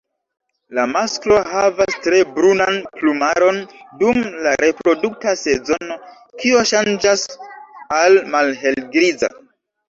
La masklo havas tre brunan plumaron dum la reprodukta sezono, kio ŝanĝas al malhelgriza.